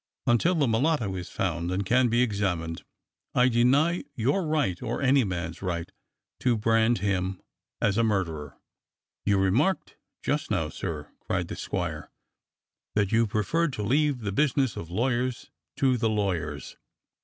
Until the mulatto is found and can be examined, I deny your right or any man's right to brand him as a murderer." "You remarked just now, sir," cried the squire, "that you preferred to leave the business of lawyers to the lawyers.